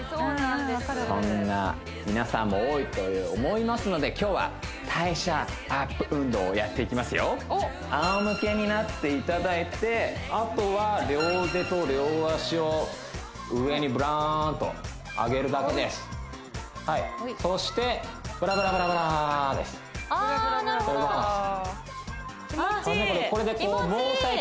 そんな皆さんも多いと思いますので今日は代謝アップ運動をやっていきますよあおむけになっていただいてあとは両腕と両脚を上にブラーンと上げるだけですはいそしてブラブラブラブラですああなるほどこんな感じ気持ちいい